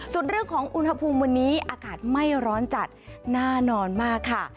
ส่วนเรื่องของวันนี้อากาศไม่ร้อนจัดน่านอนมาก